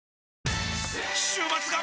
週末が！！